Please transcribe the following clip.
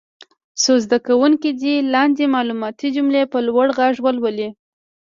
څو زده کوونکي دې لاندې معلوماتي جملې په لوړ غږ ولولي.